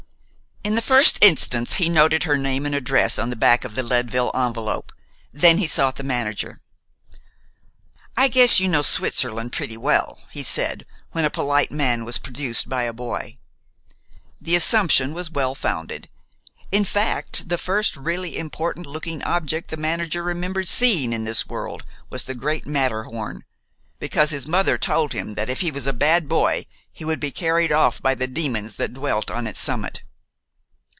In the first instance, he noted her name and address on the back of the Leadville envelop. Then he sought the manager. "I guess you know Switzerland pretty well," he said, when a polite man was produced by a boy. The assumption was well founded. In fact, the first really important looking object the manager remembered seeing in this world was the giant Matterhorn, because his mother told him that if he was a bad boy he would be carried off by the demons that dwelt on its summit.